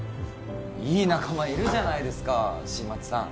いい仲間いるじゃないですか新町さん